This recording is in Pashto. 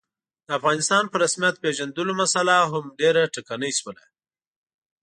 د افغانستان په رسمیت پېژندلو مسعله هم ډېره ټکنۍ شوله.